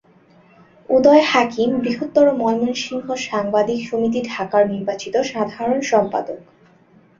উদয় হাকিম বৃহত্তর ময়মনসিংহ সাংবাদিক সমিতি-ঢাকা’র নির্বাচিত সাধারণ সম্পাদক।